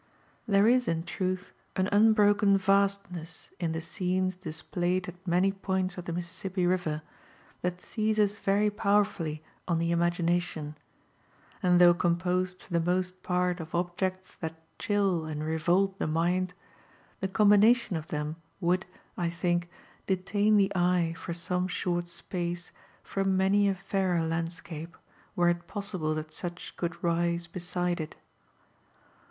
^ There is in truth an unbroken vaslness in the scenes displayed at many points of the Mississippi river that seizes very powerfully on Ihe imagination ; and though composed for the most part of objects that * chill and revolt the mind, the combination of them would, t think, de tain the eye for some short space from many a fairer landscape, were it possible that such could rise beside it.